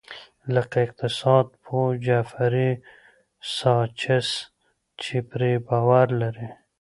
لکه اقتصاد پوه جیفري ساچس چې پرې باور لري.